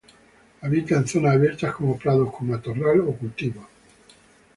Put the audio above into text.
Habita en zonas abiertas como prados con matorral o cultivos.